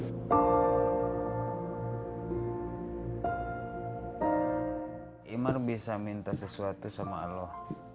imar bisa minta sesuatu sama allah